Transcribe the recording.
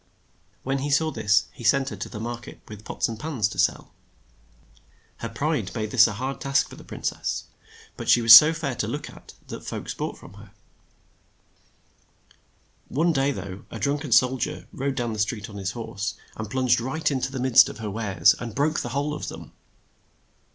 When he saw this, he sent her to the mar ket with pots and pans to sell. KING ROUGH BEABD 39 'THIS IS MY HOUSE." SAID THE TRAMP. Her pride made this a hard task for the prin cess, but she was so fair to look at that folks bought from her. One day, though, a drunk en sol dier rode down the street on his horse, 40 KING ROUGH BEARD and plunged right in to the midst of her wares, and broke the whole of them.